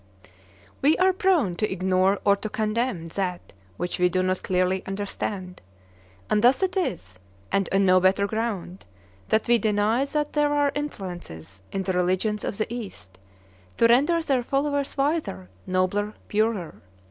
We are prone to ignore or to condemn that which we do not clearly understand; and thus it is, and on no better ground, that we deny that there are influences in the religions of the East to render their followers wiser, nobler, purer.